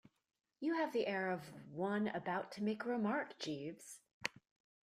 You have the air of one about to make a remark, Jeeves.